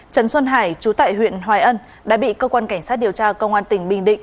trần xuân hải chú tại huyện hoài ân đã bị cơ quan cảnh sát điều tra công an tỉnh bình định